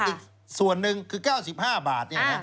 อีกส่วนหนึ่งคือ๙๕บาท